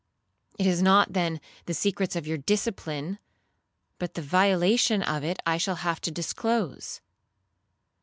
It is not, then, the secrets of your discipline, but the violation of it, I shall have to disclose.'